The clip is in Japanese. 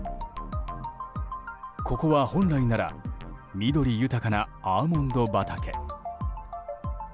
ここは本来なら緑豊かなアーモンド畑。